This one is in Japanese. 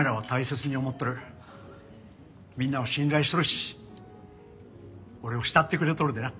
みんなを信頼しとるし俺を慕ってくれとるでな。